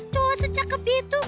cowok secakep itu